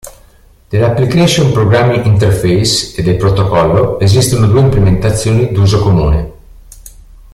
Dell'Application programming interface e del protocollo esistono due implementazioni di uso comune.